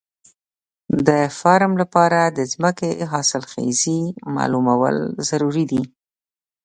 د فارم لپاره د ځمکې حاصلخېزي معلومول ضروري دي.